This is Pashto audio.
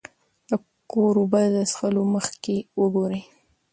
د کور اوبه د څښلو مخکې وګورئ.